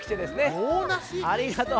ありがとう。